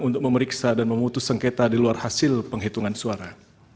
untuk memeriksa dan memutus sengketa di luar hasil penghitungan suara